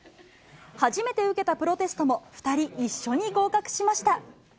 初めて受けたプロテストも、２人一緒に合格しました。